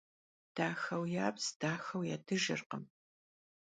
Дахэу ябз дахэу ядыжыркъым.